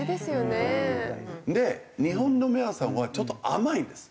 で日本の皆さんはちょっと甘いです。